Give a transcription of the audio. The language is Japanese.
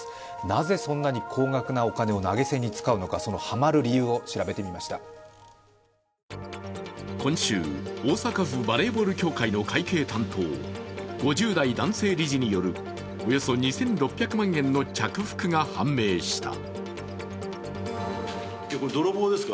なぜそんなに高額なお金を投げ銭に使うのか、今週、大阪府バレーボール協会の会計担当５０代男性理事によるおよそ２６００万円の着服が判明した。